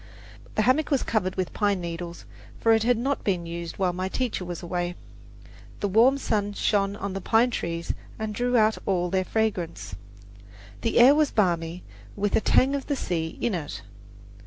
The hammock was covered with pine needles, for it had not been used while my teacher was away. The warm sun shone on the pine trees and drew out all their fragrance. The air was balmy, with a tang of the sea in it.